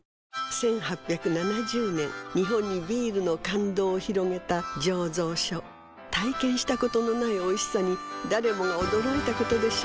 １８７０年日本にビールの感動を広げた醸造所体験したことのないおいしさに誰もが驚いたことでしょう